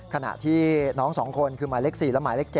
ขณะที่น้อง๒คนคือหมายเลข๔และหมายเลข๗